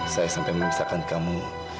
saya sampai memisahkan kamu